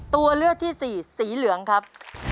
ตัวเลือกที่สี่สีเหลืองครับ